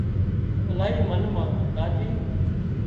الاهي منَ مان لاڄي